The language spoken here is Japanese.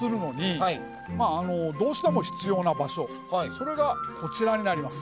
それがこちらになります。